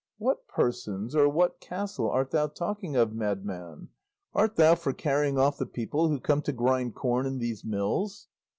"What persons or what castle art thou talking of, madman? Art thou for carrying off the people who come to grind corn in these mills?"